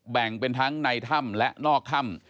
แบ่งเป็นทั้งในถ้ำและนอกถ้ำ